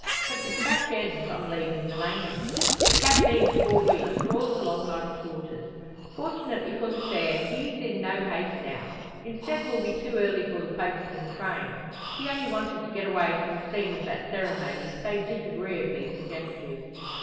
But despatch ends on leaving the Langham. The cab being a four wheeler crawls along like a tortoise. Fortunately for the fare he is in no haste now; instead will be too early for the Folkestone train. He only wanted to get away from the scene of that ceremony, so disagreeably suggestive.